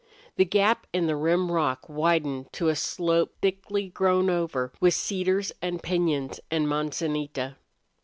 The gap in the rim rock widened to a slope thickly grown over with cedars and piñons and manzanita.